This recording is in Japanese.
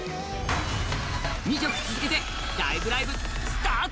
２曲続けて「ライブ！ライブ！」スタート。